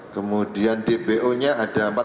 kemudian dpo nya ada